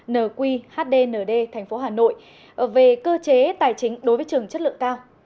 nqhdnd thành phố hà nội về cơ chế tài chính đối với trường chất lượng cao